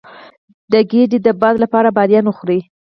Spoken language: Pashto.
د ګیډې د باد لپاره بادیان وخورئ